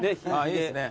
いいですね。